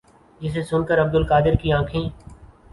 جسے سن کر عبدالقادر کی انکھیں